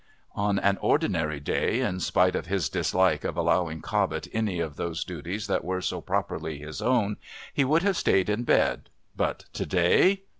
On an ordinary day, in spite of his dislike of allowing Cobbett any of those duties that were so properly his own, he would have stayed in bed, but to day?